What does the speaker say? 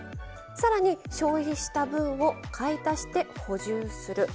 さらに消費した分を買い足して補充する。